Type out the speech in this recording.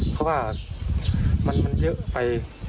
เพราะว่ามันเยอะไป